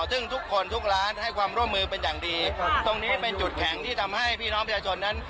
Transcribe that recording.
ซึ่งทุกคนทุกร้านให้ความร่วมมือเป็นอย่างดีตรงนี้เป็นจุดแข็งที่ทำให้พี่น้องประชาชนนั้น